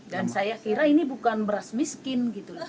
dan saya kira ini bukan beras miskin